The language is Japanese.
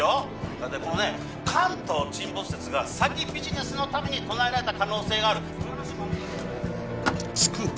だいたいこのね関東沈没説が詐欺ビジネスのために唱えられた可能性があるスクープ